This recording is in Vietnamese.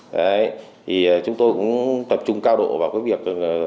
đấy thì chúng tôi cũng tập trung cao độ vào cái việc